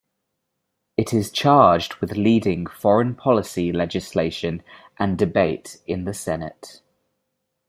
It is charged with leading foreign-policy legislation and debate in the Senate.